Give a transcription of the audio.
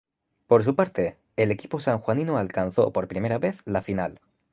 Por su parte, el equipo sanjuanino alcanzó por primera vez la final.